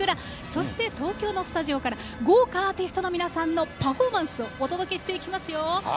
そして東京のスタジオから豪華アーティストの皆さんのパフォーマンスをお届けしていきますよ。